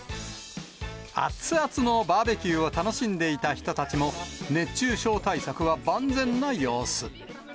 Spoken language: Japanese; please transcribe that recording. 熱々のバーベキューを楽しんでいた人たちも、熱中症対策は万全な様子。